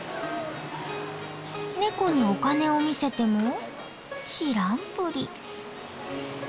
ネコにお金を見せても知らんぷり。